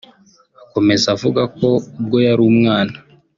Akomeza avuga ko ubwo yari umwana